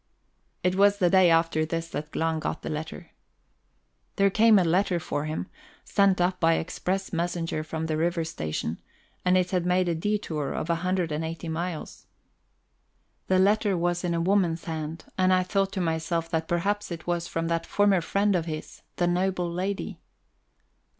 It was the day after this that Glahn got the letter. There came a letter for him, sent up by express messenger from the river station, and it had made a detour of a hundred and eighty miles. The letter was in a woman's hand, and I thought to my self that perhaps it was from that former friend of his, the noble lady.